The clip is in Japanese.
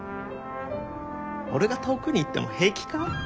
俺が遠くに行っても平気か？